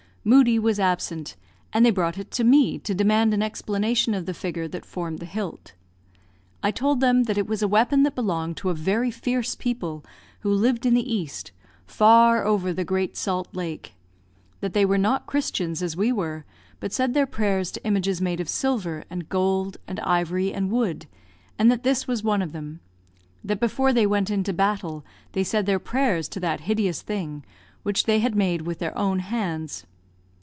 Moodie was absent, and they brought it to me to demand an explanation of the figure that formed the hilt. I told them that it was a weapon that belonged to a very fierce people who lived in the east, far over the Great Salt Lake; that they were not Christians as we were, but said their prayers to images made of silver, and gold, and ivory, and wood, and that this was one of them; that before they went into battle they said their prayers to that hideous thing, which they had made with their own hands.